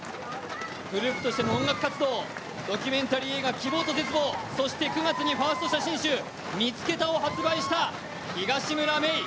グループとしての音楽活動、ドキュメンタリー映画「希望と絶望」そして９月にファースト写真集「見つけた」を発売した東村芽依。